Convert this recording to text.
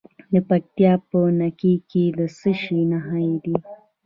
د پکتیکا په نکې کې د څه شي نښې دي؟